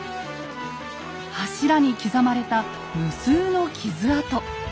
柱に刻まれた無数の傷痕。